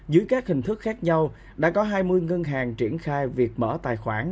dưới các hình thức khác nhau đã có hai mươi ngân hàng triển khai việc mở tài khoản